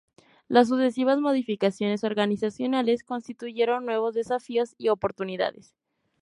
Las sucesivas modificaciones organizacionales constituyeron nuevos desafíos y oportunidades.